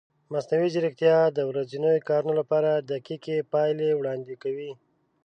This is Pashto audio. مصنوعي ځیرکتیا د ورځنیو کارونو لپاره دقیقې پایلې وړاندې کوي.